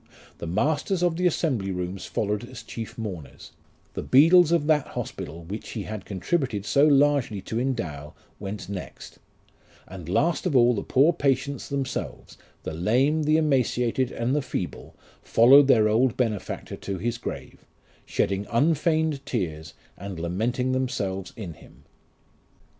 The masters of the assembly rooms followed as chief mourners ; the beadles of that hospital which he had contributed so largely to endow, went next ; and last of all the poor patients themselves, the lame, the emaciated, and the feeble, followed their old bene factor to his grave, shedding unfeigned tears, and lamenting themselves in him.